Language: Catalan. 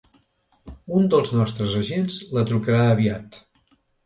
Un dels nostres agents la trucarà aviat.